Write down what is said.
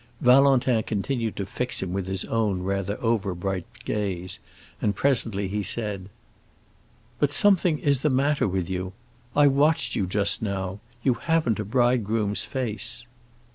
Valentin continued to fix him with his own rather over bright gaze, and presently he said, "But something is the matter with you. I watched you just now; you haven't a bridegroom's face."